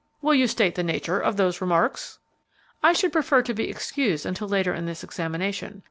"Will you state the nature of those remarks?" "I should prefer to be excused until later in this examination.